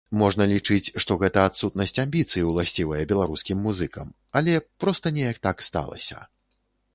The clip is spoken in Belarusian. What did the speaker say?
Можна лічыць, што гэта адсутнасць амбіцый, уласцівая беларускім музыкам, але проста неяк так сталася.